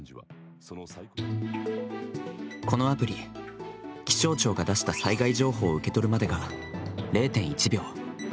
このアプリ、気象庁が出した災害情報を受け取るまでが０．１秒。